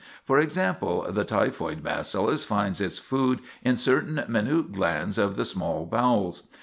For example, the typhoid bacillus finds its food in certain minute glands of the small bowels.